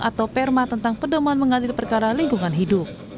atau perma tentang pedoman mengadil perkara lingkungan hidup